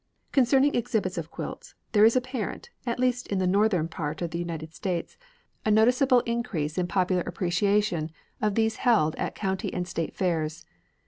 Concerning exhibits of quilts, there is apparent at least in the northern part of the United States a noticeable increase in popular appreciation of those held at county and state fairs.